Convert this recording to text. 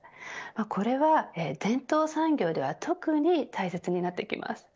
これは伝統産業では特に大切になってきます。